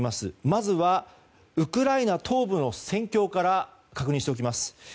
まずはウクライナ東部の戦況から確認しておきます。